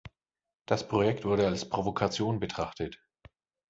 Das Projekt wurde als Provokation betrachtet.